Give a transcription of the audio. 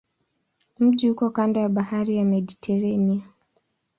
Mji uko kando ya bahari ya Mediteranea.